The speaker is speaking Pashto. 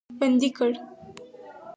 بندي کړ.